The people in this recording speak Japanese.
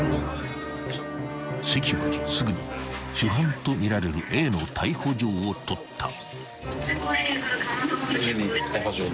［関はすぐに主犯とみられるＡの逮捕状を取った］